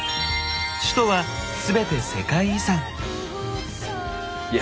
首都は全て世界遺産。